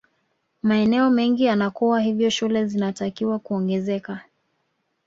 maeneo mengi yanakuwa hivyo shule zinatakiwa kuongezeka